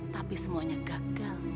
tapi semuanya gagal